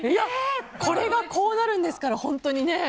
これがこうなるんですから本当にね。